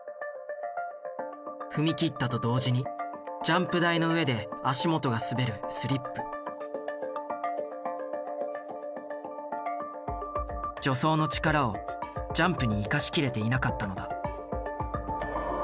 踏み切ったと同時にジャンプ台の上で足元が滑る助走の力をジャンプに生かしきれていなかったのだ。